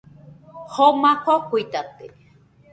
Joma kokuitate